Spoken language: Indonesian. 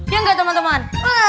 ya gak teman teman